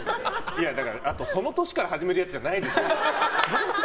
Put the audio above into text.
その年から始めるやつじゃないです。